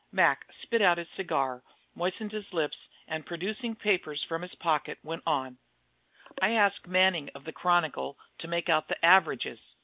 '" Mac spit out his cigar, moistened his lips, and producing papers from his pocket went on: "I asked Mannin' of the Chronicle to make out the averages.